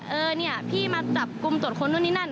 เออพี่มาจับกลุ่มโตรคมนู่นนี้นั่น